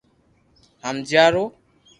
ھمجيا رو